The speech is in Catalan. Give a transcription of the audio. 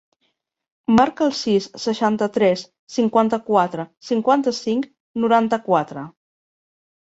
Marca el sis, seixanta-tres, cinquanta-quatre, cinquanta-cinc, noranta-quatre.